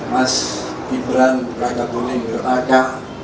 mas ibran raka boning raka